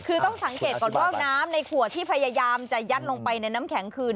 คือต้องสังเกตก่อนว่าน้ำในขวดที่พยายามจะยัดลงไปในน้ำแข็งคืน